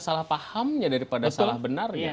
salah pahamnya daripada salah benarnya